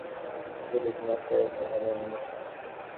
সাজঘরে ঢোকার ঠিক আগেই স্থাপন করা হয়েছে লিটল মাস্টারের একটি মোমের মূর্তি।